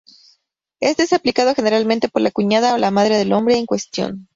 Este es aplicado generalmente por la cuñada o la madre del hombre en cuestión.